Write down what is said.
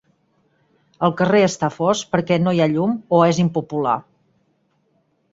El carrer està fosc perquè no hi ha llum o és impopular.